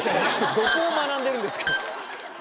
どこを学んでるんですか